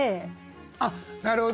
あっなるほど！